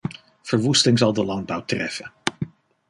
Verwoesting zal de landbouw treffen.